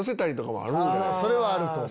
それはあると思う。